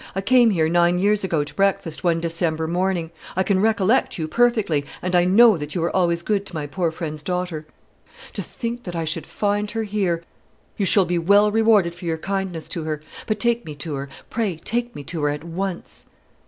I came here nine years ago to breakfast, one December morning. I can recollect you perfectly, and I know that you were always good to my poor friend's daughter. To think that I should find her here! You shall be well rewarded for your kindness to her. But take me to her; pray take me to her at once!"